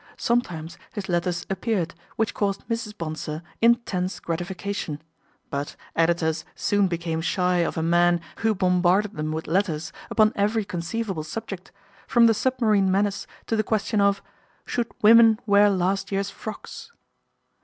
Sometimes his letters appeared, which caused Mrs. Bonsor intense gratification : but editors soon became shy of a man who bombarded them with letters upon every conceivable subject, from the submarine menace to the question of " should women wear last year's frocks